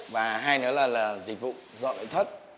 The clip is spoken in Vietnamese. và hai nữa là dịch vụ dọn lưỡi thất